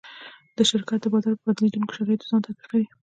شرکت د بازار په بدلېدونکو شرایطو ځان تطبیقوي.